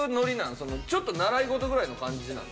ちょっと習い事ぐらいの感じなの？